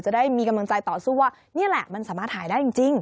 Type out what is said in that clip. ได้มีกำลังใจต่อสู้ว่านี่แหละมันสามารถถ่ายได้จริง